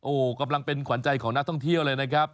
โอ้โหกำลังเป็นขวัญใจของนักท่องเที่ยวเลยนะครับ